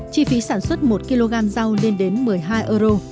chi phí sản xuất một kg rau lên đến một mươi hai euro